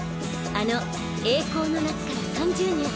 あの栄光の夏から３０年。